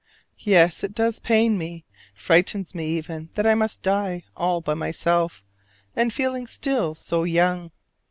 Yes, it does pain me, frightens me even, that I must die all by myself, and feeling still so young.